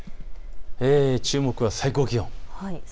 注目は最高気温。